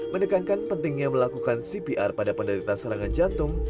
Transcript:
mendekankan pentingnya melakukan cpr pada pendidikan serangan jantung